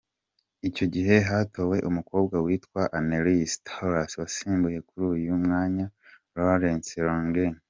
Icyo gihe hatowe umukobwa witwa Annelies Toros wasimbuye kuri uyu mwanya Laurence Langen.